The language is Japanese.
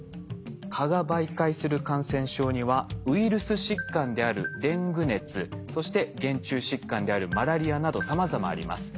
蚊が媒介する感染症にはウイルス疾患であるデング熱そして原虫疾患であるマラリアなどさまざまあります。